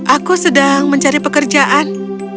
aku sedang mencari pekerjaan